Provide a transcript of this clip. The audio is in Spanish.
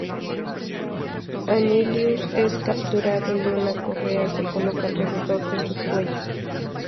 Annihilus es capturado y una correa se coloca alrededor de su cuello.